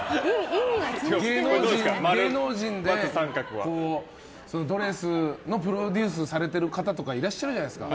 芸能人で、ドレスのプロデュースしてる方いらっしゃるじゃないですか。